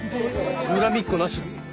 恨みっこなしだ。